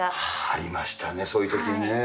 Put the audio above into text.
ありましたね、そういうときね。